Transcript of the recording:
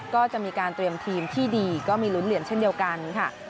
ก็จะมีการเตรียมทีมที่ดีก็มีลุ้นเหรียญเช่นเดียวกันค่ะ